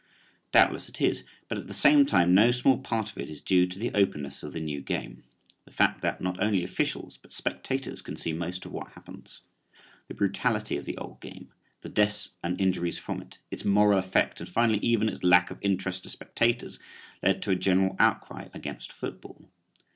Doubtless it is, but at the same time no small part of it is due to the openness of the new game; the fact that not only officials but spectators can see most of what happens. The brutality of the old game, the deaths and injuries from it, its moral effect, and finally even its lack of interest to spectators, led to a general outcry against football.